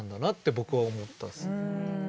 僕は思ったんですよ。